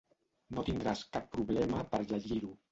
No tindràs cap problema per llegir-ho.